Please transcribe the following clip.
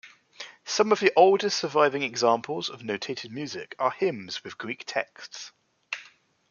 Some of the oldest surviving examples of notated music are hymns with Greek texts.